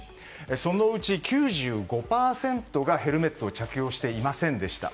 そのうち９５％がヘルメットを着用していませんでした。